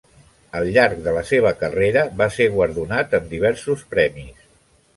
Al llarg de la seva carrera, va ser guardonat amb diversos premis.